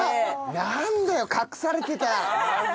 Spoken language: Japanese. なんだよ隠されてた。